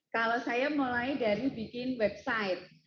kalau saya mulai dari bikin website